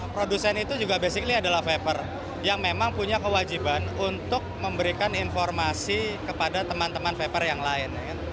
produsen itu juga basically adalah vaper yang memang punya kewajiban untuk memberikan informasi kepada teman teman vaper yang lain